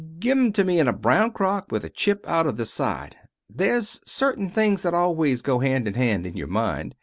"Give 'em to me in a brown crock, with a chip out of the side. There's certain things always goes hand in hand in your mind.